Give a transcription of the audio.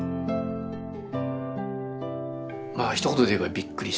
まあひと言で言えばびっくりしたうん。